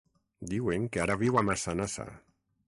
Diuen que ara viu a Massanassa.